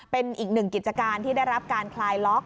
เป็นอีกหนึ่งกิจการที่ได้รับการคลายล็อก